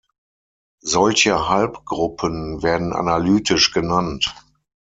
Solche Halbgruppen werden analytisch genannt.